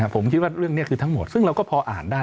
ผมคิดว่าเรื่องนี้คือทั้งหมดซึ่งเราก็พออ่านได้